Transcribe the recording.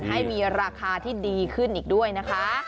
ให้มีราคาที่ดีขึ้นอีกด้วยนะคะ